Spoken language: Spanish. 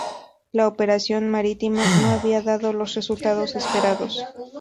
La operación marítima no había dado los resultados esperados.